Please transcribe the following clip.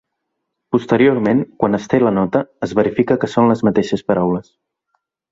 Posteriorment, quan es té la nota, es verifica que són les mateixes paraules.